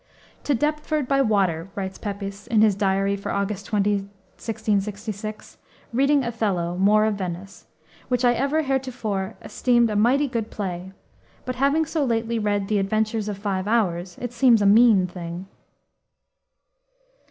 "To Deptford by water," writes Pepys, in his diary for August 20, 1666, "reading Othello, Moor of Venice; which I ever heretofore esteemed a mighty good play; but, having so lately read the Adventures of Five Hours, it seems a mean thing."